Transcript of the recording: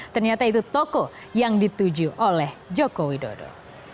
ternyata itu toko yang dituju oleh jokowi dodo